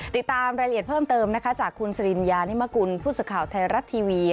ติดตามรายละเอียดเพิ่มเติมนะคะจากคุณสริญญานิมกุลผู้สื่อข่าวไทยรัฐทีวี